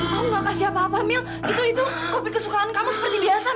kamu gak kasih apa apa mil itu kopi kesukaan kamu seperti biasa